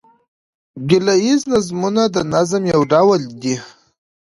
ګيله ييز نظمونه د نظم یو ډول دﺉ.